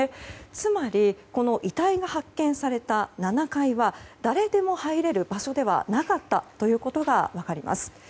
つまり、遺体が発見された７階は誰でも入れる場所ではなかったということが分かります。